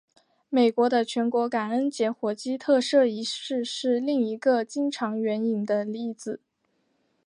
美国的全国感恩节火鸡特赦仪式是另一个经常援引的例子。